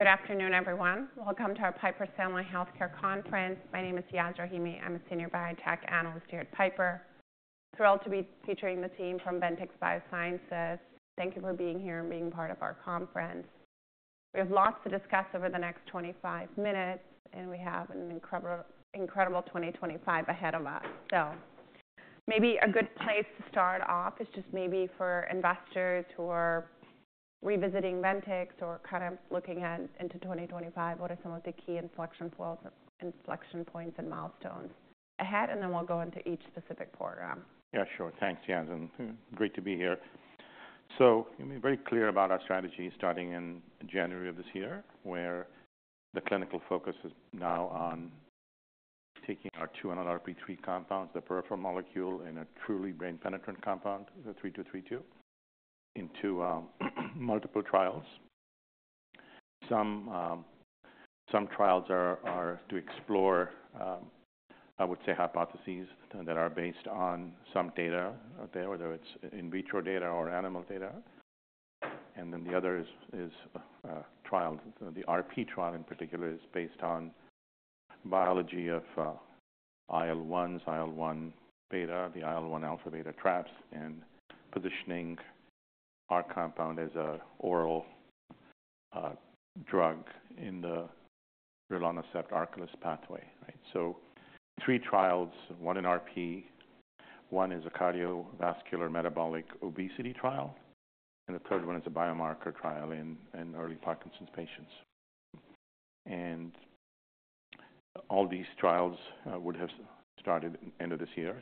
Good afternoon, everyone. Welcome to our Piper Sandler Healthcare Conference. My name is Yas Rahimi. I'm a Senior Biotech Analyst here at Piper. Thrilled to be featuring the team from Ventyx Biosciences. Thank you for being here and being part of our conference. We have lots to discuss over the next 25 minutes, and we have an incredible 2025 ahead of us. So maybe a good place to start off is just maybe for investors who are revisiting Ventyx or kind of looking into 2025, what are some of the key inflection points and milestones ahead? And then we'll go into each specific program. Yeah, sure. Thanks, Yas, and great to be here. So you made very clear about our strategy starting in January of this year, where the clinical focus is now on taking our two NLRP3 compounds, the peripheral molecule and a truly brain-penetrating compound, the 3232, into multiple trials. Some trials are to explore, I would say, hypotheses that are based on some data there, whether it's in vitro data or animal data. And then the other is trials. The RP trial in particular is based on biology of IL-1s, IL-1 beta, the IL-1 alpha/beta traps, and positioning our compound as an oral drug in the rilonacept, Arcalyst pathway. So three trials, one in RP, one is a cardiovascular metabolic obesity trial, and the third one is a biomarker trial in early Parkinson's patients. And all these trials would have started at the end of this year.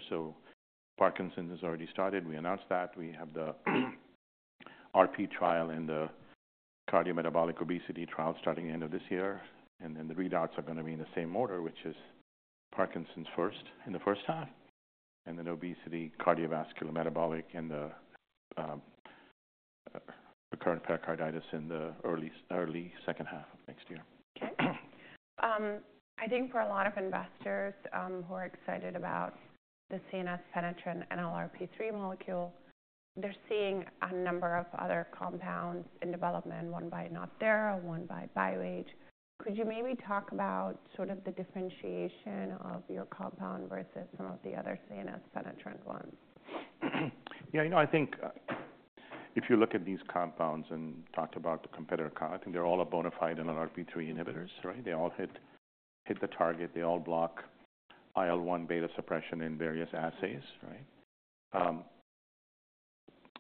Parkinson's has already started. We announced that. We have the RP trial and the cardiometabolic obesity trial starting at the end of this year. Then the readouts are going to be in the same order, which is Parkinson's first in the first half, and then obesity, cardiovascular metabolic, and the recurrent pericarditis in the early second half of next year. Okay. I think for a lot of investors who are excited about the CNS-penetrating NLRP3 molecule, they're seeing a number of other compounds in development, one by NodThera, one by BioAge. Could you maybe talk about sort of the differentiation of your compound versus some of the other CNS-penetrating ones? Yeah, I think if you look at these compounds and talk about the competitor, I think they're all bona fide NLRP3 inhibitors, right? They all hit the target. They all block IL-1 beta suppression in various assays, right?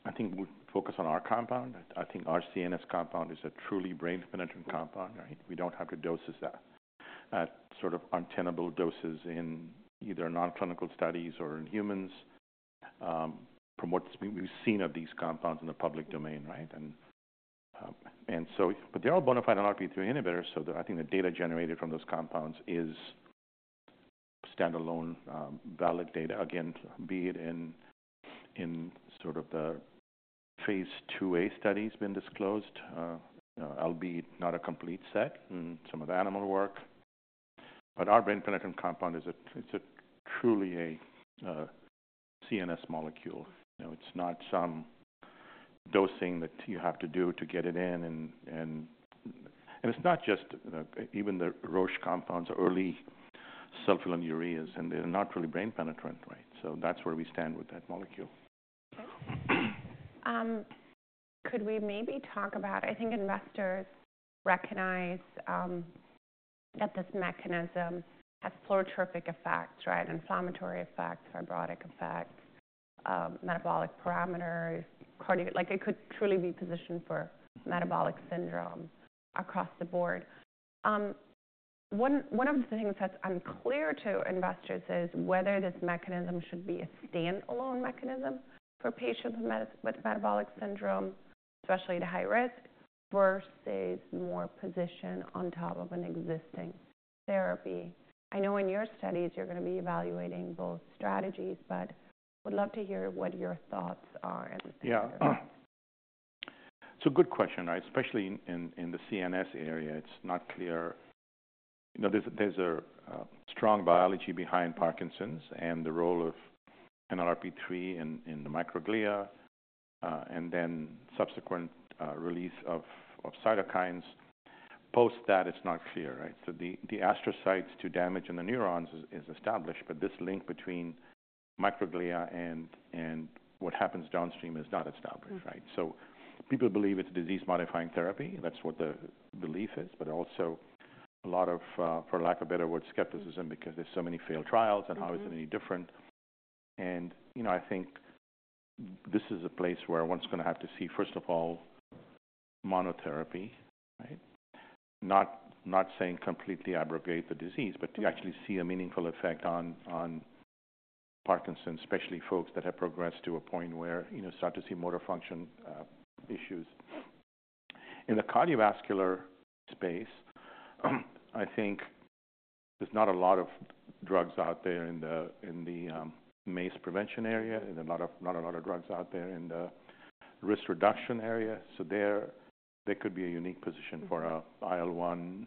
I think we focus on our compound. I think our CNS compound is a truly brain-penetrating compound, right? We don't have to dose it at sort of untenable doses in either nonclinical studies or in humans from what we've seen of these compounds in the public domain, right? And so, but they're all bona fide NLRP3 inhibitors. So I think the data generated from those compounds is standalone, valid data, again, be it in sort of the phase II-A studies being disclosed, albeit not a complete set in some of the animal work. But our brain-penetrating compound is truly a CNS molecule. It's not some dosing that you have to do to get it in. And it's not just even the Roche compounds or oral small phenylureas, and they're not really brain-penetrating, right? So that's where we stand with that molecule. Okay. Could we maybe talk about, I think investors recognize that this mechanism has pleiotropic effects, right? Inflammatory effects, fibrotic effects, metabolic parameters. It could truly be positioned for metabolic syndrome across the board. One of the things that's unclear to investors is whether this mechanism should be a standalone mechanism for patients with metabolic syndrome, especially the high-risk, versus more positioned on top of an existing therapy. I know in your studies, you're going to be evaluating both strategies, but would love to hear what your thoughts are in the future. So good question, right? Especially in the CNS area, it's not clear. There's a strong biology behind Parkinson's and the role of NLRP3 in the microglia, and then subsequent release of cytokines. Post that, it's not clear, right? So the astrocytes to damage in the neurons is established, but this link between microglia and what happens downstream is not established, right? So people believe it's a disease-modifying therapy. That's what the belief is. But also a lot of, for lack of a better word, skepticism because there's so many failed trials, and how is it any different. And I think this is a place where one's going to have to see, first of all, monotherapy, right? Not saying completely abrogate the disease, but to actually see a meaningful effect on Parkinson's, especially folks that have progressed to a point where you start to see motor function issues. In the cardiovascular space, I think, there's not a lot of drugs out there in the MACE prevention area. There's not a lot of drugs out there in the risk reduction area. So there could be a unique position for an IL-1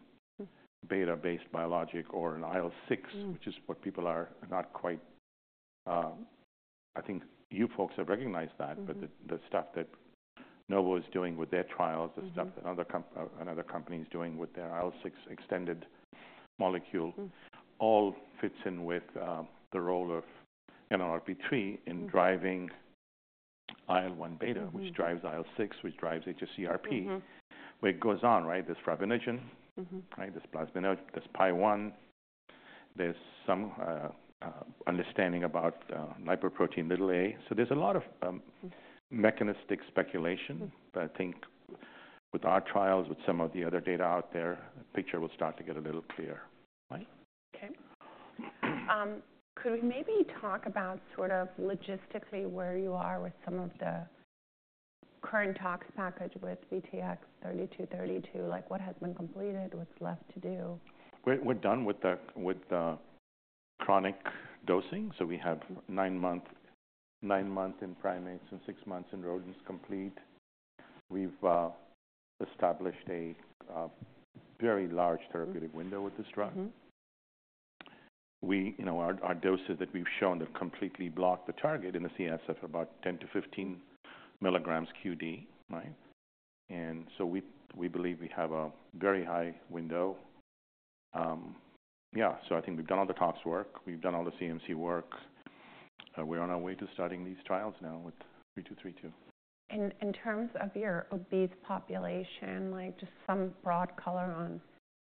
beta-based biologic or an IL-6, which is what people are not quite, I think you folks have recognized that, but the stuff that Novo is doing with their trials, the stuff that another company is doing with their IL-6 extended molecule all fits in with the role of NLRP3 in driving IL-1 beta, which drives IL-6, which drives hs-CRP. Where it goes on, right? There's fibrinogen, right? There's plasminogen, there's PAI-1. There's some understanding about lipoprotein(a). So there's a lot of mechanistic speculation, but I think with our trials, with some of the other data out there, the picture will start to get a little clearer, right? Okay. Could we maybe talk about sort of logistically where you are with some of the current tox package with VTX3232? What has been completed? What's left to do? We're done with the chronic dosing. So we have nine months in primates and six months in rodents complete. We've established a very large therapeutic window with this drug. Our doses that we've shown that completely block the target in the CNS are about 10-15 milligrams q.d., right? And so we believe we have a very high window. Yeah. So I think we've done all the tox work. We've done all the CMC work. We're on our way to starting these trials now with 3232. In terms of your obese population, just some broad color on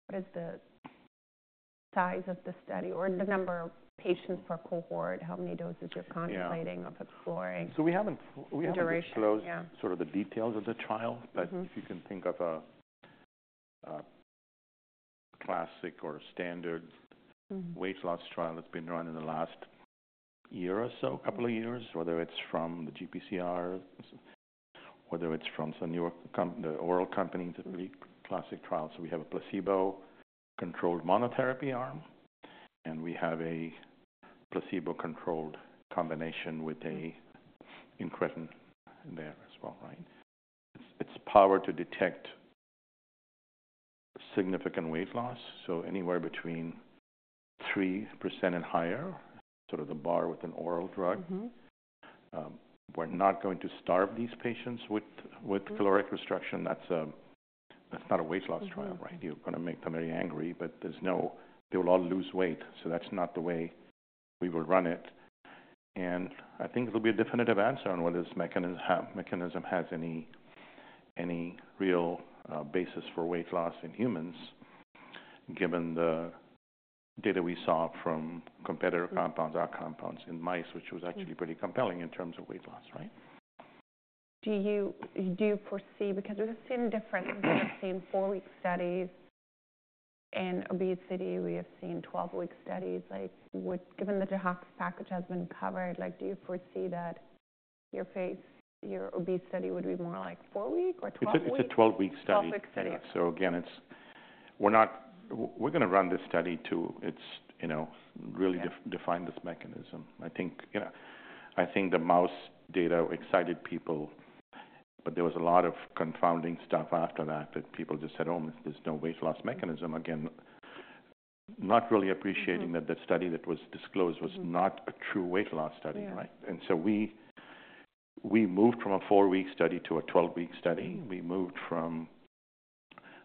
what is the size of the study or the number of patients per cohort, how many doses you're contemplating of exploring? So we haven't disclosed sort of the details of the trial, but if you can think of a classic or standard weight loss trial that's been run in the last year or so, a couple of years, whether it's from the GPCR, whether it's from the New York oral company, it's a really classic trial. So we have a placebo-controlled monotherapy arm, and we have a placebo-controlled combination with an incretin there as well, right? It's powered to detect significant weight loss. So anywhere between 3% and higher, sort of the bar with an oral drug. We're not going to starve these patients with caloric restriction. That's not a weight loss trial, right? You're going to make them very angry, but they will all lose weight. So that's not the way we will run it. I think it'll be a definitive answer on whether this mechanism has any real basis for weight loss in humans, given the data we saw from competitor compounds, our compounds in mice, which was actually pretty compelling in terms of weight loss, right? Do you foresee, because we've seen difference? We have seen four-week studies in obesity. We have seen 12-week studies. Given that the tox package has been covered, do you foresee that your obesity study would be more like four-week or 12-week study? It's a 12-week study. So again, we're going to run this study to really define this mechanism. I think the mouse data excited people, but there was a lot of confounding stuff after that that people just said, "Oh, there's no weight loss mechanism." Again, not really appreciating that the study that was disclosed was not a true weight loss study, right? And so we moved from a four-week study to a 12-week study. We moved from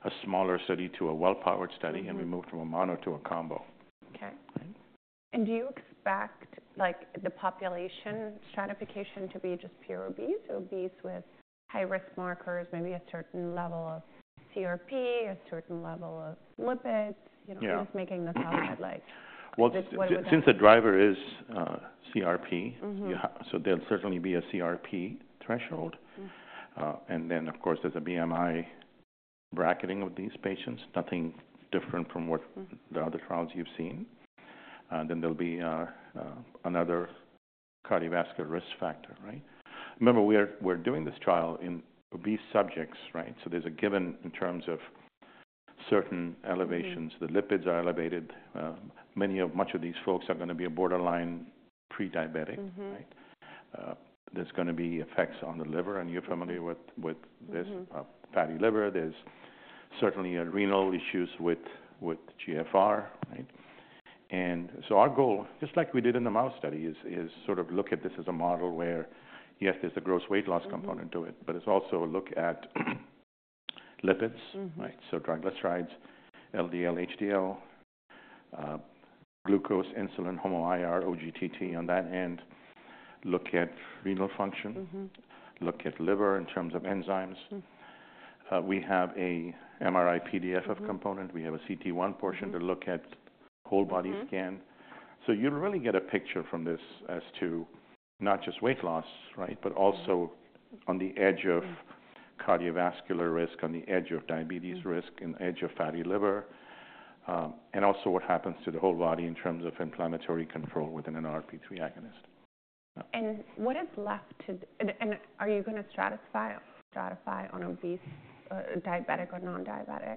a smaller study to a well-powered study, and we moved from a mono to a combo. Okay. And do you expect the population stratification to be just pure obese? Obese with high-risk markers, maybe a certain level of CRP, a certain level of lipids? You're just making this up. Since the driver is CRP, so there'll certainly be a CRP threshold. Of course, there's a BMI bracketing of these patients, nothing different from what the other trials you've seen. There'll be another cardiovascular risk factor, right? Remember, we're doing this trial in obese subjects, right? There's a given in terms of certain elevations. The lipids are elevated. Many of these folks are going to be borderline prediabetic, right? There's going to be effects on the liver, and you're familiar with this, fatty liver. There's certainly renal issues with GFR, right? Our goal, just like we did in the mouse study, is sort of look at this as a model where, yes, there's a gross weight loss component to it, but it's also look at lipids, right? Triglycerides, LDL, HDL, glucose, insulin, HOMA-IR, OGTT on that end. Look at renal function. Look at liver in terms of enzymes. We have an MRI-PDFF component. We have a cT1 portion to look at whole-body scan. So you really get a picture from this as to not just weight loss, right, but also on the edge of cardiovascular risk, on the edge of diabetes risk, on the edge of fatty liver, and also what happens to the whole body in terms of inflammatory control with an NLRP3 inhibitor. What is left to do, and are you going to stratify on obese, diabetic, or non-diabetic?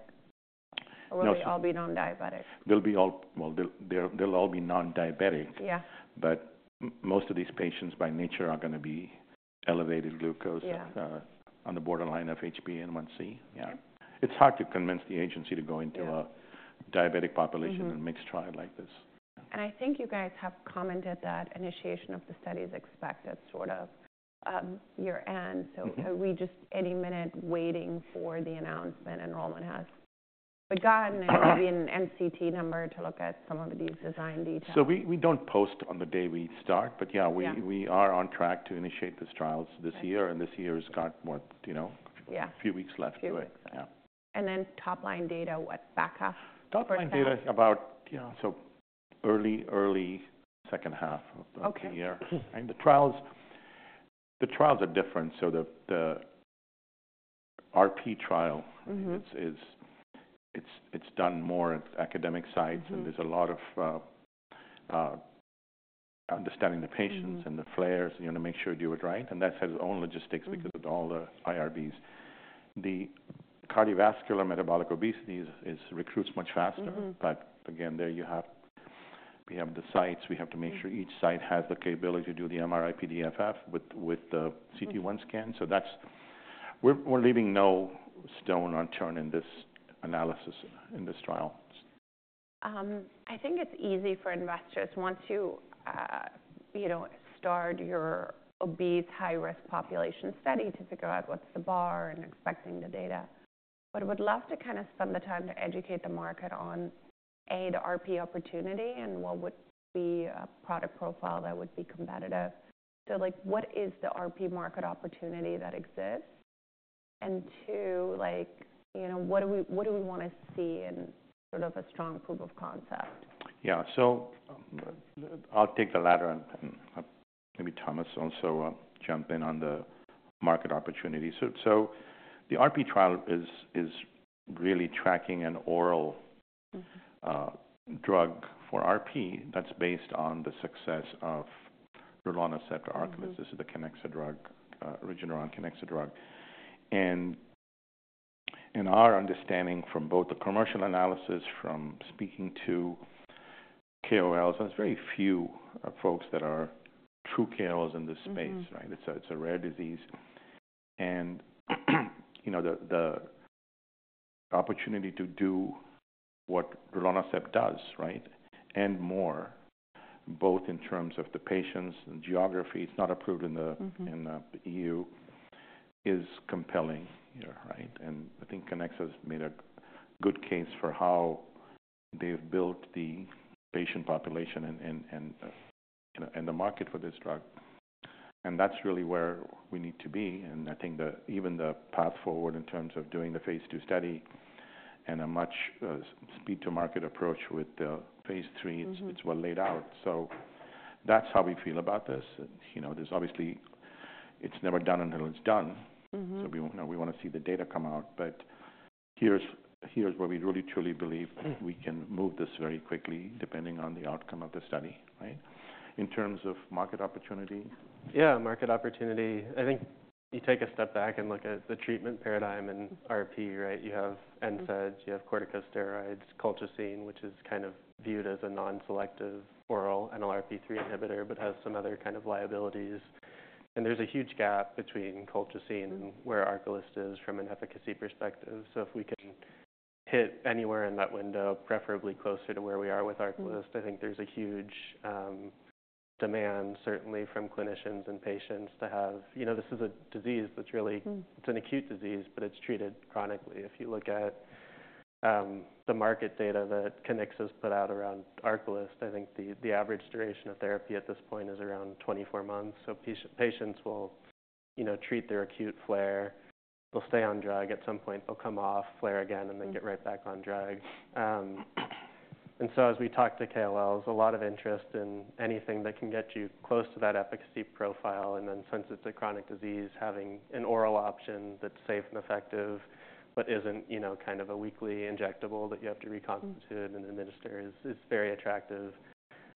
Or will they all be non-diabetic? Well, they'll all be non-diabetic. But most of these patients by nature are going to be elevated glucose on the borderline of HbA1c. Yeah. It's hard to convince the agency to go into a diabetic population and mix trial like this. I think you guys have commented that initiation of the study is expected sort of year-end. Are we just any minute waiting for the announcement? Enrollment has begun, and maybe an NCT number to look at some of these design details. So we don't dose on the day we start, but yeah, we are on track to initiate these trials this year. And this year's got a few weeks left to it. A few weeks left. And then top-line data, what backup? Top-line data is about, yeah, so early, early second half of the year, and the trials are different, so the RP trial, it's done more at academic sites, and there's a lot of understanding the patients and the flares to make sure you do it right, and that has its own logistics because of all the IRBs. The cardiovascular metabolic obesity recruits much faster, but again, there you have, we have the sites. We have to make sure each site has the capability to do the MRI-PDFF with the cT1 scan, so we're leaving no stone unturned in this analysis, in this trial. I think it's easy for investors, once you start your obese high-risk population study, to figure out what's the bar, and expecting the data. But I would love to kind of spend the time to educate the market on A, the RP opportunity, and what would be a product profile that would be competitive, so what is the RP market opportunity that exists, and two, what do we want to see in sort of a strong proof of concept? Yeah. So I'll take the latter, and maybe Thomas also jump in on the market opportunity. So the RP trial is really tracking an oral drug for RP that's based on the success of rilonacept or Arcalyst. This is the Regeneron-Kiniksa drug. And in our understanding from both the commercial analysis, from speaking to KOLs, there's very few folks that are true KOLs in this space, right? It's a rare disease. And the opportunity to do what rilonacept does, right, and more, both in terms of the patients and geography, it's not approved in the EU, is compelling, right? And I think Kiniksa has made a good case for how they've built the patient population and the market for this drug. And that's really where we need to be. And I think even the path forward in terms of doing the phase II study and a much speed-to-market approach with the phase III, it's well laid out. So that's how we feel about this. There's obviously, it's never done until it's done. So we want to see the data come out. But here's where we really, truly believe we can move this very quickly depending on the outcome of the study, right? In terms of market opportunity? Yeah, market opportunity. I think you take a step back and look at the treatment paradigm in RP, right? You have NSAIDs, you have corticosteroids, colchicine, which is kind of viewed as a non-selective oral NLRP3 inhibitor, but has some other kind of liabilities. And there's a huge gap between colchicine and where Arcalyst is from an efficacy perspective. So if we can hit anywhere in that window, preferably closer to where we are with Arcalyst, I think there's a huge demand, certainly from clinicians and patients to have this is a disease that's really, it's an acute disease, but it's treated chronically. If you look at the market data that Kiniksa has put out around Arcalyst, I think the average duration of therapy at this point is around 24 months. So patients will treat their acute flare, they'll stay on drug at some point, they'll come off, flare again, and then get right back on drug. And so as we talk to KOLs, a lot of interest in anything that can get you close to that efficacy profile. And then since it's a chronic disease, having an oral option that's safe and effective, but isn't kind of a weekly injectable that you have to reconstitute and administer, is very attractive.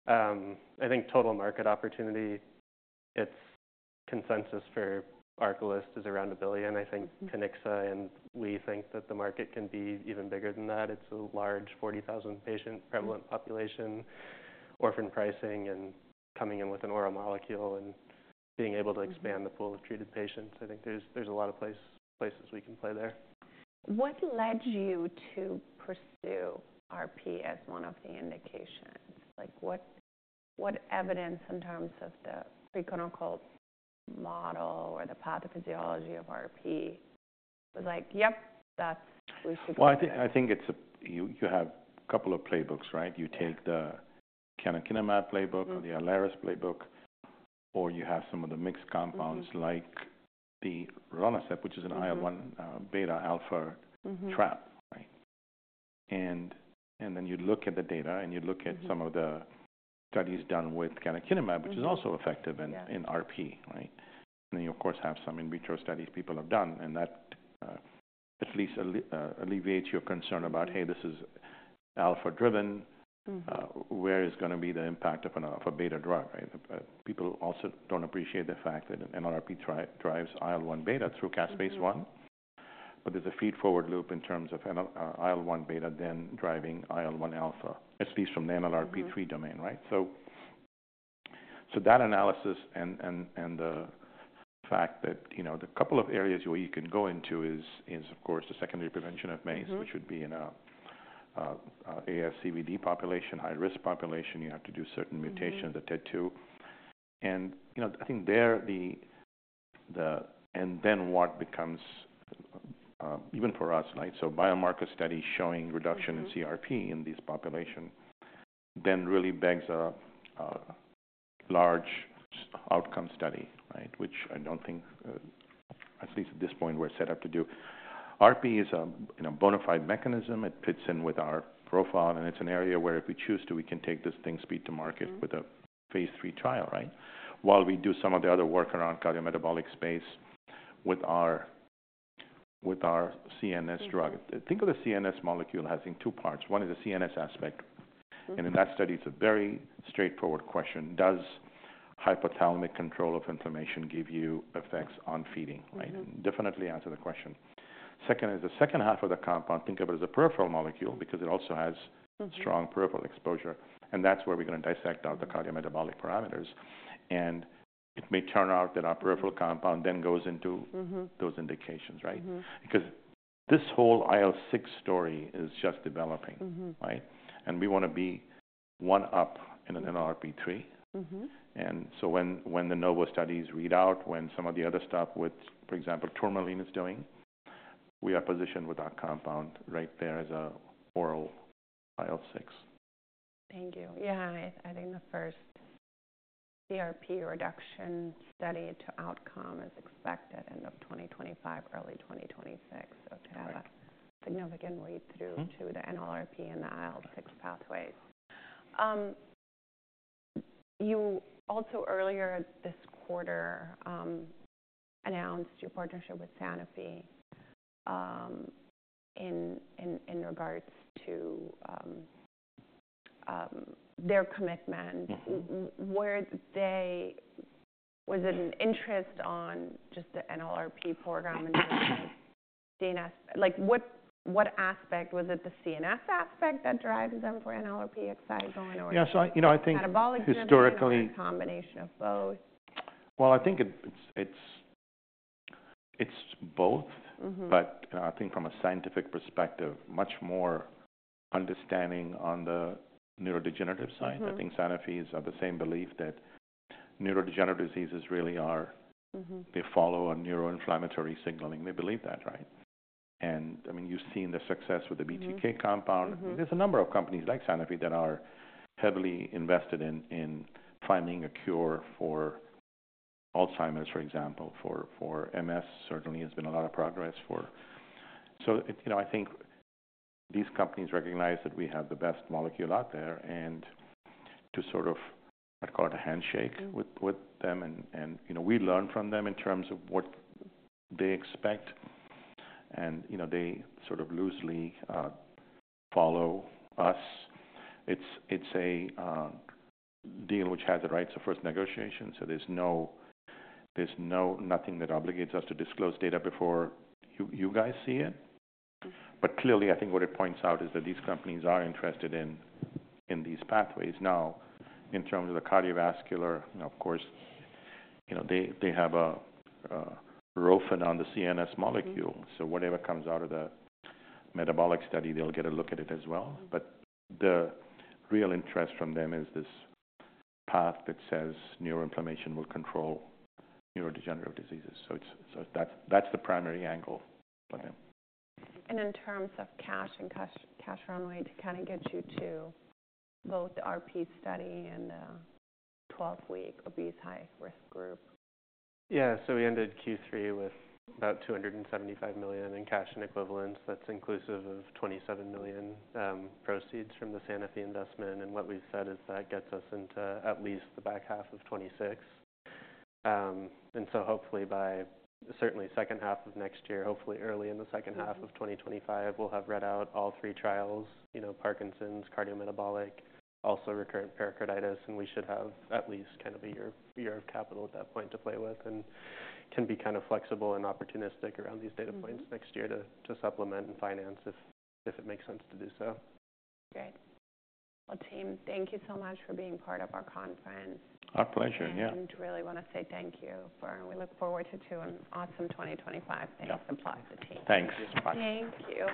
I think total market opportunity, it's consensus for Arcalyst is around $1 billion. I think Kiniksa and we think that the market can be even bigger than that. It's a large 40,000-patient prevalent population, orphan pricing, and coming in with an oral molecule and being able to expand the pool of treated patients. I think there's a lot of places we can play there. What led you to pursue RP as one of the indications? What evidence in terms of the preclinical model or the pathophysiology of RP was like, "Yep, that's what we should go for"? I think you have a couple of playbooks, right? You take the canakinumab playbook or the Ilaris playbook, or you have some of the mixed compounds like the rilonacept, which is an IL-1 beta-alpha trap, right? And then you look at the data and you look at some of the studies done with canakinumab, which is also effective in RP, right? And then you, of course, have some in vitro studies people have done, and that at least alleviates your concern about, "Hey, this is alpha-driven. Where is going to be the impact of a beta drug?" People also don't appreciate the fact that NLRP drives IL-1 beta through caspase-1, but there's a feed-forward loop in terms of IL-1 beta then driving IL-1 alpha, at least from the NLRP3 domain, right? So that analysis and the fact that the couple of areas where you can go into is, of course, the secondary prevention of MACE, which would be in an ASCVD population, high-risk population. You have to do certain mutations that tend to. And I think there, and then what becomes, even for us, right? So biomarker studies showing reduction in CRP in these populations then really begs a large outcome study, right? Which I don't think, at least at this point, we're set up to do. RP is a bona fide mechanism. It fits in with our profile. And it's an area where if we choose to, we can take this thing speed to market with a phase III trial, right? While we do some of the other work around cardiometabolic space with our CNS drug. Think of the CNS molecule as in two parts. One is the CNS aspect. And in that study, it's a very straightforward question. Does hypothalamic control of inflammation give you effects on feeding, right? Definitely answer the question. Second is the second half of the compound. Think of it as a peripheral molecule because it also has strong peripheral exposure. And that's where we're going to dissect out the cardiometabolic parameters. And it may turn out that our peripheral compound then goes into those indications, right? Because this whole IL-6 story is just developing, right? And we want to be one up in an NLRP3. And so when the Novo studies read out, when some of the other stuff with, for example, Tourmaline is doing, we are positioned with our compound right there as an oral IL-6. Thank you. Yeah. I think the first CRP reduction study to outcome is expected end of 2025, early 2026, so to have a significant read-through to the NLRP3 and the IL-6 pathways. You also earlier this quarter announced your partnership with Sanofi in regards to their commitment. Was it an interest in just the NLRP3 program and just the CNS? What aspect? Was it the CNS aspect that drives them for NLRP3 inhibitor or metabolic? Yeah, so I think historically. A combination of both? I think it's both. But I think from a scientific perspective, much more understanding on the neurodegenerative side. I think Sanofi is of the same belief that neurodegenerative diseases really are they follow a neuroinflammatory signaling. They believe that, right? And I mean, you've seen the success with the BTK compound. There's a number of companies like Sanofi that are heavily invested in finding a cure for Alzheimer's, for example. For MS, certainly there's been a lot of progress for. So I think these companies recognize that we have the best molecule out there and to sort of, I'd call it a handshake with them. And we learn from them in terms of what they expect. And they sort of loosely follow us. It's a deal which has the rights of first negotiation. So there's nothing that obligates us to disclose data before you guys see it. But clearly, I think what it points out is that these companies are interested in these pathways. Now, in terms of the cardiovascular, of course, they have a readout on the CNS molecule. So whatever comes out of the metabolic study, they'll get a look at it as well. But the real interest from them is this pathway that says neuroinflammation will control neurodegenerative diseases. So that's the primary angle for them. And in terms of cash and cash runway to kind of get you to both the RP study and the 12-week obese high-risk group? Yeah. So we ended Q3 with about $275 million in cash and equivalents. That's inclusive of $27 million proceeds from the Sanofi investment. And what we've said is that gets us into at least the back half of 2026. And so hopefully by certainly second half of next year, hopefully early in the second half of 2025, we'll have read out all three trials: Parkinson's, cardiometabolic, also recurrent pericarditis. And we should have at least kind of a year of capital at that point to play with and can be kind of flexible and opportunistic around these data points next year to supplement and finance if it makes sense to do so. Great. Well, team, thank you so much for being part of our conference. Our pleasure, yeah. We really want to say thank you. We look forward to an awesome 2025. Thanks. Applause to team. Thanks. Thank you.